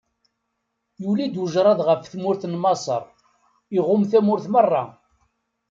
Yuli-d ujṛad ɣef tmurt n Maṣer, iɣumm tamurt meṛṛa.